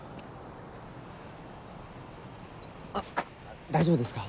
あっ大丈夫ですか？